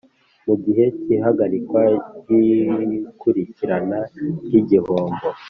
Mu gihe cy ihagarikwa ry ikurikirana ry igihombo